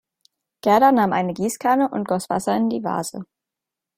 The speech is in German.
Gerda nahm eine Gießkanne und goss Wasser in die Vase.